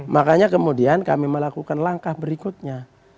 makanya kemudian kami melakukan langkah berikutnya